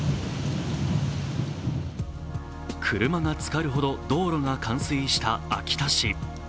車がつかるほど道路が冠水した秋田市。